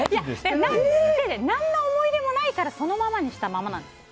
何の思い入れもないからそのままにしたままなんですよ。